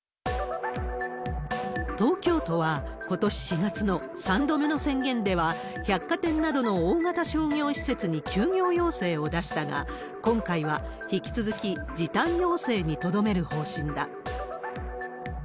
東京都は、ことし４月の３度目の宣言では、百貨店などの大型商業施設に休業要請を出したが、今回は引き続き時短要請にとどめる方針だ。